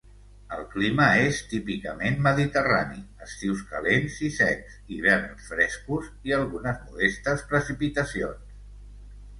El clima és típicament mediterrani: estius calents i secs, hiverns frescos, i algunes modestes precipitacions.